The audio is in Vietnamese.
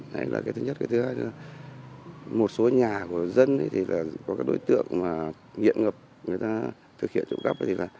đây là cái thứ nhất cái thứ hai là một số nhà của dân thì có các đối tượng nghiện ngập người ta thực hiện trộm cắp